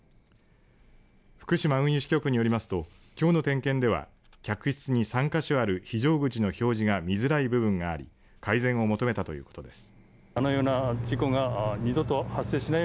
福島運輸支局によりますときょうの点検では客室に３か所ある非常口の表示が見づらい部分があり改善を求めたということです。